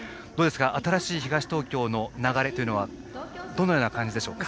新しい東東京の流れはどのような感じでしょうか。